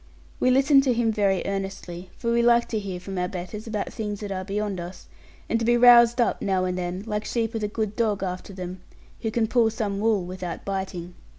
We listened to him very earnestly, for we like to hear from our betters about things that are beyond us, and to be roused up now and then, like sheep with a good dog after them, who can pull some wool without biting.